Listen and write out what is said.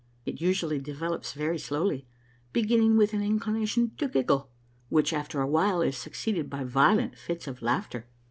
It usually develops very slowly, beginning with an inclination to giggle, which, after a while, is succeeded by violent fits of laughter.